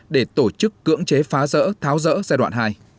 để tổ chức cưỡng chế phá rỡ tháo rỡ giai đoạn hai